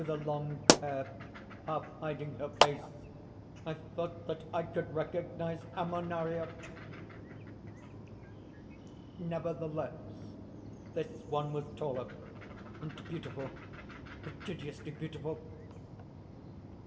through the long hair half hiding her face, I thought that I could recognize Ammonaria] "Nevertheless ... this one was taller ... and beautiful ... prodigiously beautiful!"